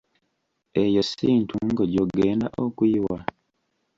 Eyo si ntungo gy'ogenda okuyiwa?